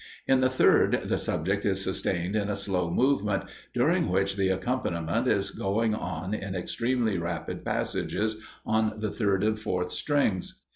In the third the subject is sustained in a slow movement, during which the accompaniment is going on in extremely rapid passages on the third and fourth strings.